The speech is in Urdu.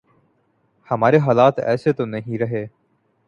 ہمارے حالات ایسے تو نہیں رہے۔